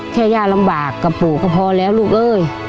แค่ย่าลำบากกับปู่ก็พอแล้วลูกเอ้ย